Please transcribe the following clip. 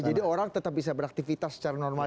jadi orang tetap bisa beraktivitas secara normal